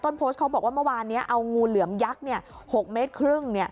โพสต์เขาบอกว่าเมื่อวานนี้เอางูเหลือมยักษ์๖เมตรครึ่ง